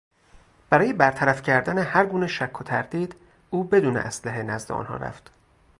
برای برطرف کردن هر گونه شک و تردید، او بدون اسلحه نزد آنها رفت.